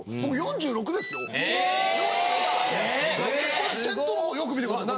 これ先頭の方よく見て下さい。